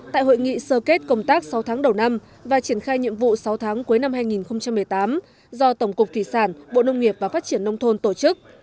tại hội nghị sơ kết công tác sáu tháng đầu năm và triển khai nhiệm vụ sáu tháng cuối năm hai nghìn một mươi tám do tổng cục thủy sản bộ nông nghiệp và phát triển nông thôn tổ chức